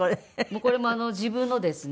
これも自分のですね